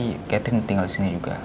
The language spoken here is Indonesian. mbak catherine tinggal di sini juga